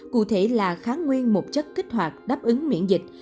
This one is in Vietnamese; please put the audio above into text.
cụ thể là kháng nguyên một chất kích hoạt đáp ứng miễn dịch